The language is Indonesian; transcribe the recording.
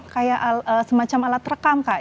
kayak semacam alat rekam kak